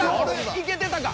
いけてたか？